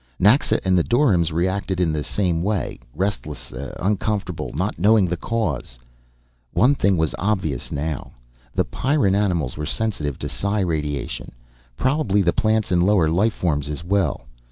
Naxa and the doryms reacted in the same way, restlessly uncomfortable, not knowing the cause. One thing was obvious now. The Pyrran animals were sensitive to psi radiation probably the plants and lower life forms as well.